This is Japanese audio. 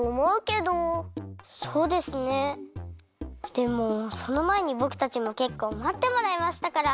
でもそのまえにぼくたちもけっこうまってもらいましたから！